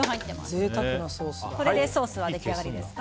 これでソースは出来上がりですか。